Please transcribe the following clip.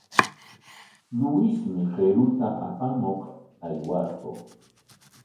Luismi qiruta apamuq aywarqun.